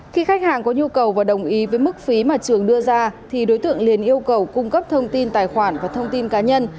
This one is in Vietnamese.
khi khách hàng có nhu cầu và đồng ý với mức phí mà trường đưa ra thì đối tượng liền yêu cầu cung cấp thông tin tài khoản và thông tin cá nhân